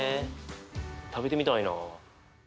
食べてみたいな。